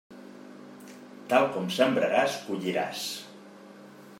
Tal com sembraràs, colliràs.